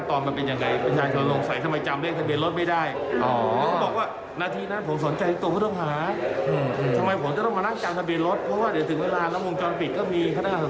ท่านสุชาติเขาแจ้งว่าเขาเจอคนมาส่งแล้ว